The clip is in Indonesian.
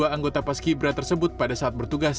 tujuh puluh dua anggota paskibra tersebut pada saat bertugas